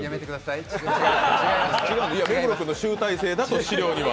いや、目黒君の集大成だと資料には。